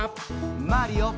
マリオ。